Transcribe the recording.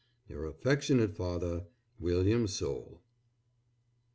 Your affectionate father, WILLIAM SOULE.